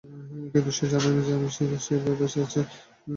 কিন্তু সে জানে না যে আমি জানি সে বেঁচে আছে।